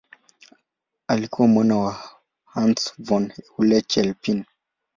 Alikuwa mwana wa Hans von Euler-Chelpin.